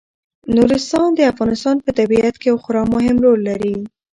نورستان د افغانستان په طبیعت کې یو خورا مهم رول لري.